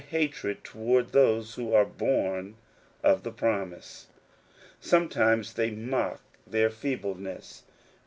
27 hatred towards those who are bom of the promise. Sometimes tjiey mock their feebleness.